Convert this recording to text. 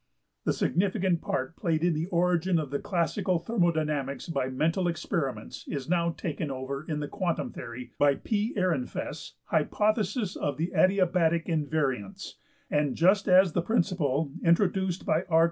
The significant part played in the origin of the classical thermodynamics by mental experiments is now taken over in the quantum theory by P.~Ehrenfest's hypothesis of the adiabatic invariance(41); and just as the principle introduced by R.